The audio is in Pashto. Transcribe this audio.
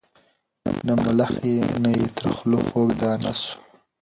نه ملخ نه یې تر خوله خوږه دانه سوه